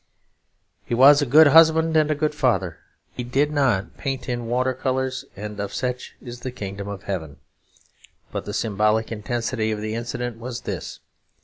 He was a good husband and a good father; he did not paint in water colours; and of such is the Kingdom of Heaven. But the symbolic intensity of the incident was this.